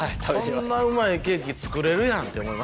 こんなうまいケーキ作れるやんって思います